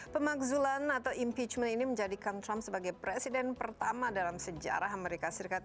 pemakzulan atau impeachment ini menjadikan trump sebagai presiden pertama dalam sejarah amerika serikat